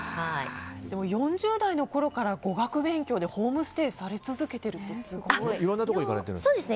４０代のころから語学勉強でホームステイされ続けているってすごいですね。